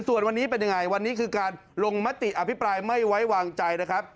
ส่วนวันนี้เป็นยังไงวันนี้คือการลงมติอภิปรายไม่ไว้วางใจนะครับ